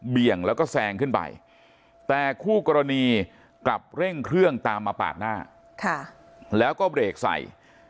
งแล้วก็แซงขึ้นไปแต่คู่กรณีกลับเร่งเครื่องตามมาปาดหน้าแล้วก็เบรกใส่